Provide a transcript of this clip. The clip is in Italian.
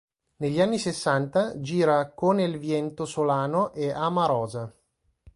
Negli anni sessanta gira "Con el viento solano" e "Ama Rosa".